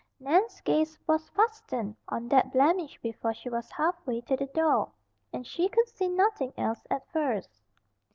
Nan's gaze was fastened on that blemish before she was half way to the door, and she could see nothing else at first.